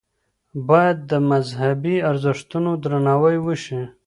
باید د مذهبي ارزښتونو درناوی وشي.